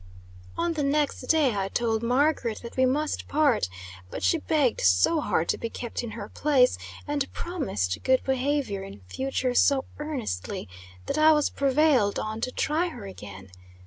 On the next day, I told Margaret that we must part; but she begged so hard to be kept in her place, and promised good behaviour in future so earnestly, that I was prevailed on to try her again.